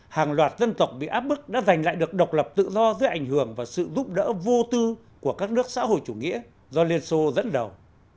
hàng loạt dân tộc bị áp bức đã giành lại được độc lập tự do dưới ảnh hưởng và sự giúp đỡ vô tư của các nước xã hội chủ nghĩa do liên xô dẫn đầu